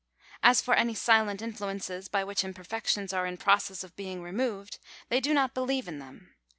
As for any silent influences by which imperfections are in process of being removed, they do not believe in them.